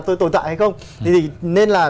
tôi tồn tại hay không thế thì nên là